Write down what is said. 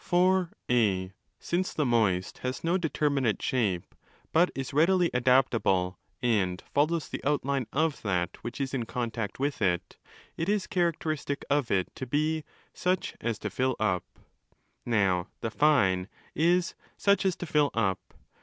For (a) since the moist has no determinate 35 shape, but is readily adaptable and follows the outline of that which is in contact with it, it is characteristic of it 330° to be 'such as to fill up'. Now 'the fine' is 'such as to fill up'.